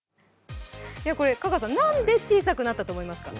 何で小さくなったと思いますか？